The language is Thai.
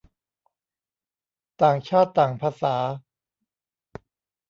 ต่างชาติต่างภาษา